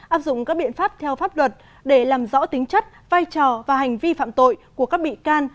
áp dụng các biện pháp theo pháp luật để làm rõ tính chất vai trò và hành vi phạm tội của các bị can